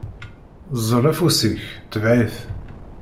Ẓẓel afus-ik, tbeɛ-it!